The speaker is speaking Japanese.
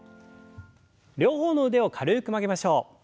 両方の腕を軽く曲げましょう。